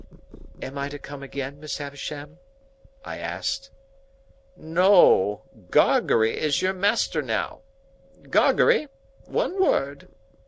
"Am I to come again, Miss Havisham?" I asked. "No. Gargery is your master now. Gargery! One word!"